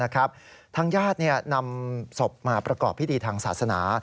ทางญาตินำศพมาประกอบพิธีทางศาสนา